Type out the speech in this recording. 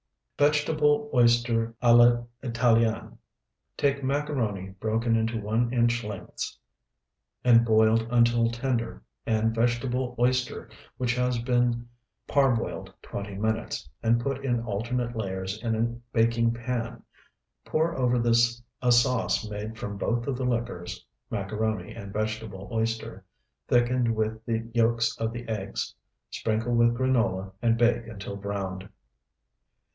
VEGETABLE OYSTER A L'ITALIENNE Take macaroni broken into one inch lengths, and boiled until tender, and vegetable oyster which has been parboiled twenty minutes, and put in alternate layers in a baking pan. Pour over this a sauce made from both of the liquors (macaroni and vegetable oyster) thickened with the yolks of the eggs. Sprinkle with granola and bake until browned.